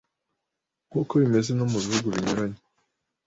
Nk’uko bimeze no mu bihugu binyuranye